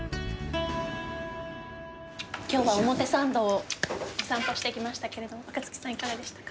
今日は表参道をお散歩してきましたけれど若槻さんいかがでしたか？